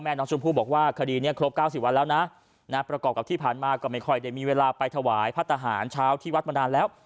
น้องชมพู่บอกว่าคดีนี้ครบ๙๐วันแล้วนะประกอบกับที่ผ่านมาก็ไม่ค่อยได้มีเวลาไปถวายพระทหารเช้าที่วัดมานานแล้ว